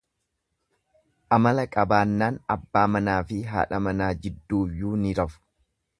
Amala qabaannaan abbaa manaafi haadha manaa jidduuyyuu ni rafu.